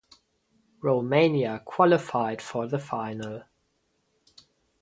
Romania qualified for the final.